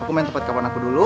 aku main tempat kawan aku dulu